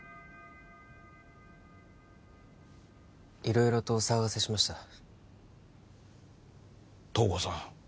色々とお騒がせしました東郷さん